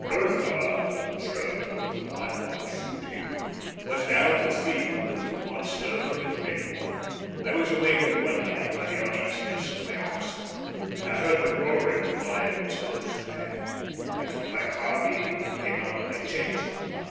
"Burkhardt, a German with whom I was shooting, was down with fever and could not stir from his bed. I was awakened one night by the uneasiness of my oxen, and I heard the roaring of lions close at hand. I took my carbine and came out of my tent.